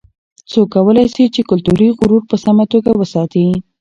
څوک کولای سي چې کلتوري غرور په سمه توګه وساتي؟